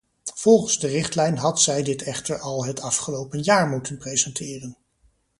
Volgens de richtlijn had zij dit echter al het afgelopen jaar moeten presenteren.